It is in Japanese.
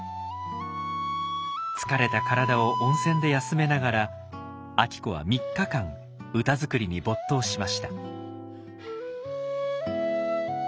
疲れた体を温泉で休めながら晶子は３日間歌作りに没頭しました。